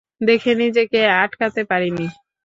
দেখে নিজেকে আটকাতে পারিনি।